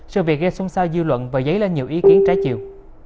sự việc gây xung sao dư luận và dấy lên nhiều ý kiến trái chiều